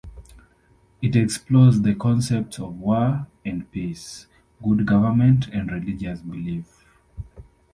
It explores the concepts of war and peace, good government and religious belief.